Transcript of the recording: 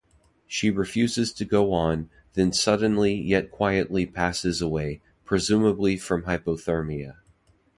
She refuses to go on, then suddenly yet quietly passes away, presumably from hypothermia.